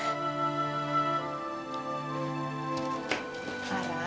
thanks ya allah